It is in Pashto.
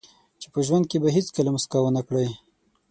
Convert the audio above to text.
چې په ژوند کې به هیڅکله موسکا ونه کړئ.